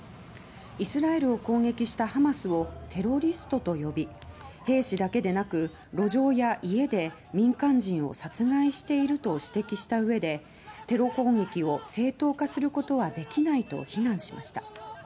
イスラエルを攻撃したハマスをテロリストと呼び兵士だけでなく、路上や家で民間人を殺害していると指摘したうえでテロ攻撃を正当化することはできないと非難しました。